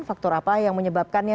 faktor apa yang menyebabkannya